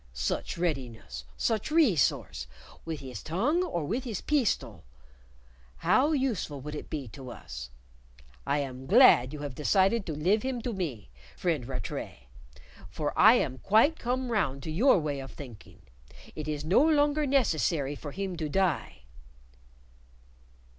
Such readiness, such resource, with his tongue or with his peestol; how useful would it be to us! I am glad you have decided to live him to me, friend Rattray, for I am quite come round to your way of thinking. It is no longer necessary for him to die!"